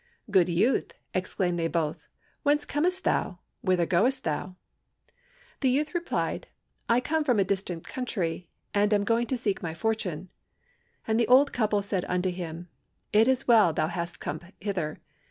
'Good youth,' exclaimed they both, 'whence comest thou whither goest thou?' The youth replied, 'I come from a distant country, and am going to seek my fortune.' And the old couple said unto him, 'It is well thou hast come hither.